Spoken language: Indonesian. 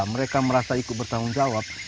mereka merasa ikut bertanggung jawab